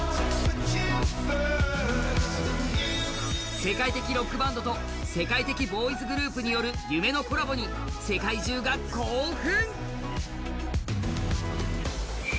世界的ロックバンドと世界的ボーイズグループの夢のコラボに世界中が興奮。